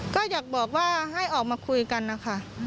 ก็อยากบอกว่าให้ออกมาคุยกันนะคะ